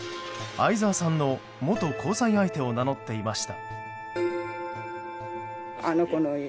相沢さんの元交際相手を名乗っていました。